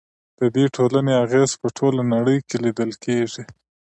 د دې ټولنې اغیز په ټوله نړۍ کې لیدل کیږي.